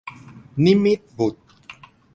นิมิตรบุตร